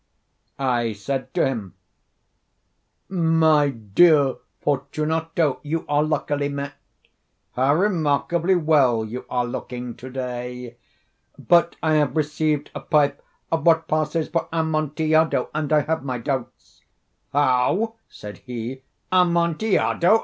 I said to him: "My dear Fortunato, you are luckily met. How remarkably well you are looking to day! But I have received a pipe of what passes for Amontillado, and I have my doubts." "How?" said he. "Amontillado?